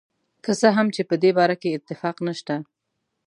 که څه هم چې په دې باره کې اتفاق نشته.